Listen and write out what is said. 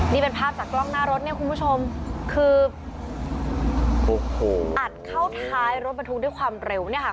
นี่เป็นภาพจากกล้องหน้ารถเนี่ยคุณผู้ชมคืออัดเข้าท้ายรถบรรทุกด้วยความเร็วเนี่ยค่ะ